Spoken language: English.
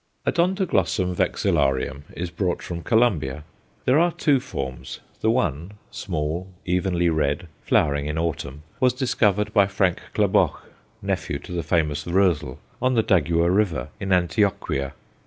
Odontoglossum vexillarium is brought from Colombia. There are two forms: the one small, evenly red, flowering in autumn was discovered by Frank Klaboch, nephew to the famous Roezl, on the Dagua River, in Antioquia.